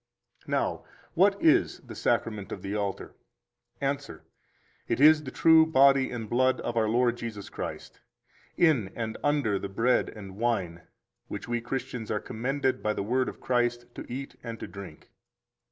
8 Now, what is the Sacrament of the Altar? Answer: It is the true body and blood of our Lord Jesus Christ, in and under the bread and wine which we Christians are commanded by the Word of Christ to eat and to drink.